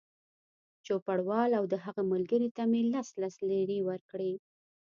چوپړوال او د هغه ملګري ته مې لس لس لېرې ورکړې.